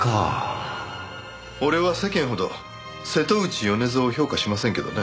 俺は世間ほど瀬戸内米蔵を評価しませんけどね。